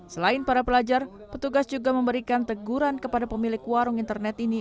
selain para pelajar petugas juga memberikan teguran kepada pemilik warung internet ini